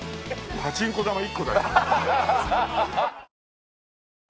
パチンコ玉１個だよ。